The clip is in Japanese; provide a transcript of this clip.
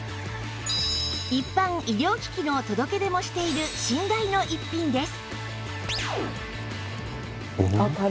一般医療機器の届け出もしている信頼の逸品です